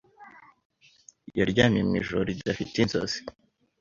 Yaryamye mwijoro ridafite inzozi